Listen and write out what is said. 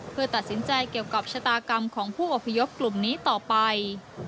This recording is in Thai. เพื่อตัดสินใจเกี่ยวกับชะตากรรมของผู้อพยพกลุ่มนี้ต่อไป